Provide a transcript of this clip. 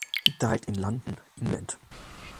He died in London, England.